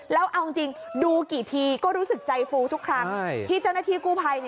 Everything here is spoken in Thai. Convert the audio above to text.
แล้วเอาจริงดูกี่ทีก็รู้สึกใจฟูทุกครั้งที่เจ้าหน้าที่กู้ภัย